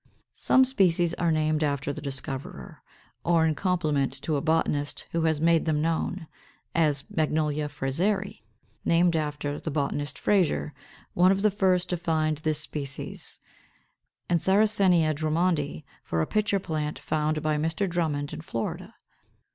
Some species are named after the discoverer, or in compliment to a botanist who has made them known; as, Magnolia Fraseri, named after the botanist Fraser, one of the first to find this species; and Sarracenia Drummondii, for a Pitcher plant found by Mr. Drummond in Florida.